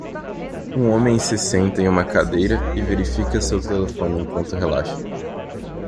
Um homem se senta em uma cadeira e verifica seu telefone enquanto relaxa.